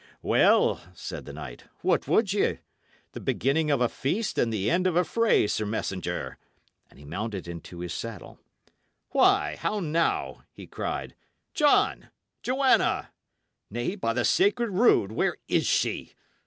"Well," said the knight, "what would ye? The beginning of a feast and the end of a fray, sir messenger;" and he mounted into his saddle. "Why! how now!" he cried. "John! Joanna! Nay, by the sacred rood! where is she?